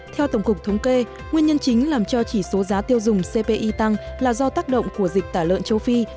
theo tổng cục thống kê nguyên nhân chính làm cho chỉ số giá tiêu dùng cpi tăng là do tác động của dịch tả lợn châu phi